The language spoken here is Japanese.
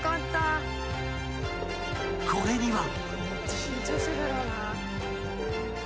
［これには］